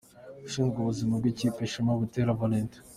Ushinzwe ubuzima bw’ikipe: Shema Butera Valentin.